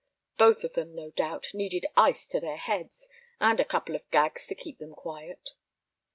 Both of them, no doubt, needed ice to their heads, and a couple of gags to keep them quiet.